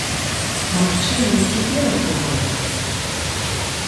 Магчыма, і цяпер атрымаецца?